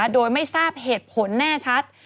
โดยไม่ทราบเหตุผลแน่ชัด